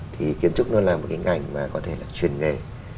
thì kiến trúc nó là một cái ngành mà có thể là chuyên nghề